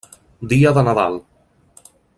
Dia de Nadal.